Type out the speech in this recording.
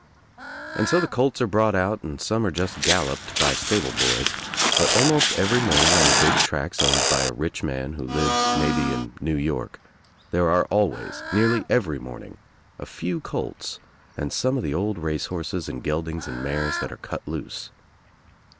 And so the colts are brought out and some are just galloped by stable boys, but almost every morning on a big track owned by a rich man who lives maybe in New York, there are always, nearly every morning, a few colts and some of the old race horses and geldings and mares that are cut loose.